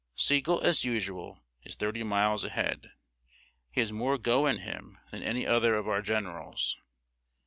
] Sigel, as usual, is thirty miles ahead. He has more go in him than any other of our generals.